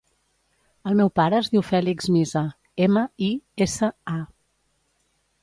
El meu pare es diu Fèlix Misa: ema, i, essa, a.